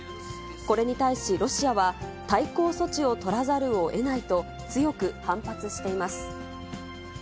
これに対しロシアは、対抗措置を取らざるをえないと、強く反発しています。